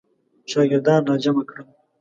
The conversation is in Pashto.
شاګردان را جمع کړل.